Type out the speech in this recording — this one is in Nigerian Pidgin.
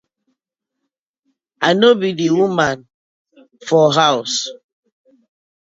I no bi di woman for haws.